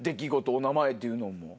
お名前っていうのも。